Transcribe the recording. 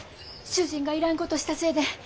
主人がいらんことしたせいで。